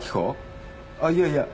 あっいやいや